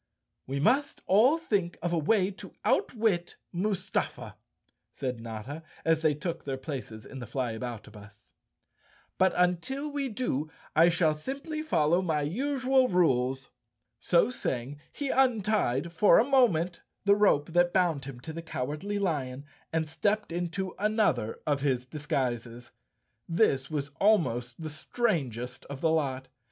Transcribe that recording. "We must all think of a way to outwit Mustafa," said Notta, as they took their places in the Flyabouta bus. " But until we do I shall simply follow my usual rules." So saying, he untied, for a moment, the rope that bound him to the Cowardly Lion and stepped into another of his disguises. This was almost the strangest of the lot.